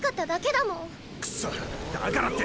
だからって。